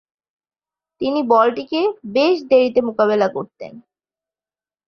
তিনি বলটিকে বেশ দেরীতে মোকাবেলা করতেন।